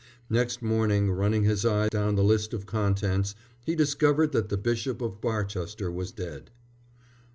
Next morning, running his eye down the list of contents, he discovered that the Bishop of Barchester was dead.